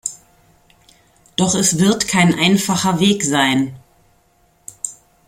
Doch es wird kein einfacher Weg sein.